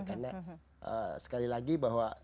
karena sekali lagi bahwa